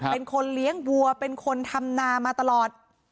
เป็นคนเลี้ยงวัวเป็นคนทำนามาตลอด